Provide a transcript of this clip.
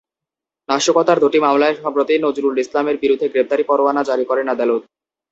নাশকতার দুটি মামলায় সম্প্রতি নজরুল ইসলামের বিরুদ্ধে গ্রেপ্তারি পরোয়ানা জারি করেন আদালত।